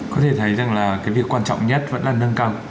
có thể thấy rằng là cái việc quan trọng nhất vẫn là nâng cao